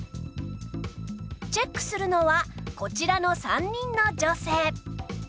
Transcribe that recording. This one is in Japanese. チェックするのはこちらの３人の女性